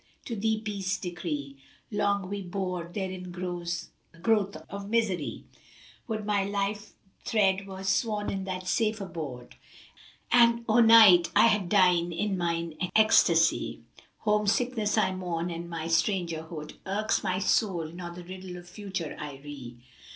to thee peace decree * Long we bore therein growth of misery: Would my life thread were shorn in that safe abode * And o' night I had died in mine ecstasy! Home sickness I mourn, and my strangerhood * Irks my soul, nor the riddle of future I ree.